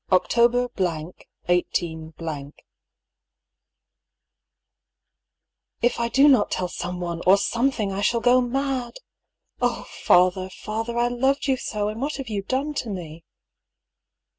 October —, 18—, If I do not tell someone, or something, I shall go mad I Oh I father, father, I loved you so ; and what have you done to me